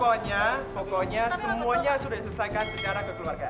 pokoknya pokoknya semuanya sudah diselesaikan secara kekeluarga